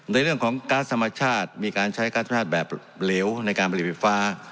ในเรื่องของก๊าซธรรมชาติมีการใช้ก๊าซธรรมชาติแบบเหลวในการผลิตไฟฟ้า